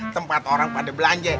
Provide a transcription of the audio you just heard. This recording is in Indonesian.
tempat orang pada belanja